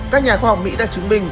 các nhà khoa học mỹ đã chứng minh